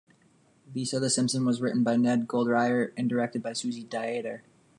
"Lisa the Simpson" was written by Ned Goldreyer and directed by Susie Dietter.